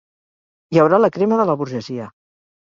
Hi haurà la crema de la burgesia.